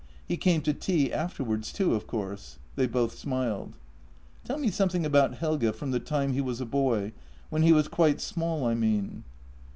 He came to tea afterwards too, of course." They both smiled. " Tell me something about Helge from the time he was a boy — when he was quite small, I mean."